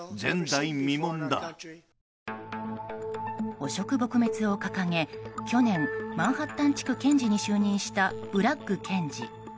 汚職撲滅を掲げ去年マンハッタン地区検事に就任したブラッグ検事。